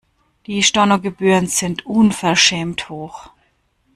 Die Stornogebühren sind unverschämt hoch.